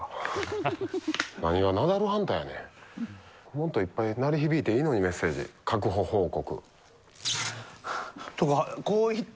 もっといっぱい鳴り響いていいのに確保報告。